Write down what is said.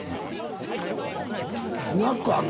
スナックあんの？